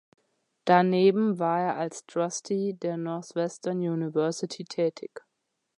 Daneben war er als Trustee der Northwestern University tätig.